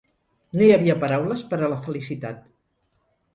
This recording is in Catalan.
No hi havia paraules per a la felicitat.